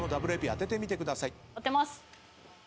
当てます。